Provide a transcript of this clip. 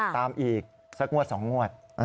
ตามอีกสักงวด๒งวด